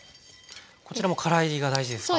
こちらもから煎りが大事ですか？